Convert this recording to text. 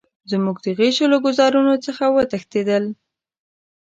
زموږ د غشیو له ګوزارونو څخه وتښتېدل.